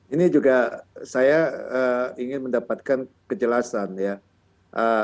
ini juga saya ingin mendapatkan kejelasan ya